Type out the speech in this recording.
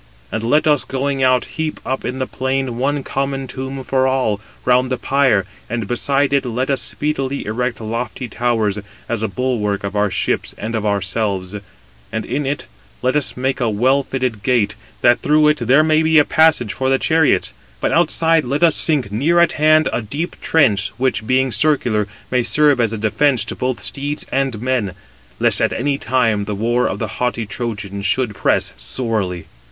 And let us, going out, heap up in the plain one common tomb for all, round the pyre, and beside it let us speedily erect lofty towers, as a bulwark of our ships and of ourselves; and in it let us make a well fitted gate, that through it there may be a passage for the chariots. But outside let us sink, near at hand, a deep trench, which, being circular, may serve as a defence to both steeds and men, lest at any time the war of the haughty Trojans should press sorely."